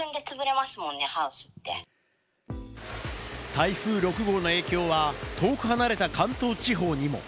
台風６号の影響は遠く離れた関東地方にも。